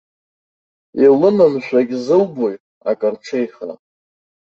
Илымамшәагь зылбои акы арҽеиха?